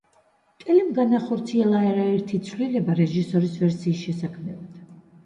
კელიმ განახორციელა არაერთი ცვლილება რეჟისორის ვერსიის შესაქმნელად.